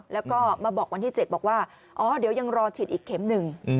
แล้วก็มาบอกวันที่๗บอกว่าอ๋อเดี๋ยวยังรอฉีดอีกเข็มหนึ่ง